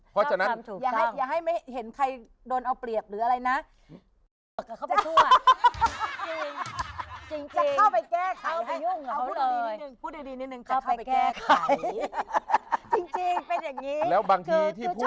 อย่าให้เห็นใครโดนเอาเปรียบหรืออะไรนะ